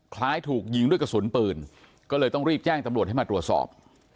คล้ายถูกยิงด้วยกระสุนปืนก็เลยต้องรีบแจ้งตำรวจให้มาตรวจสอบ